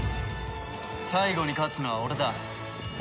最後に勝つのは俺だ。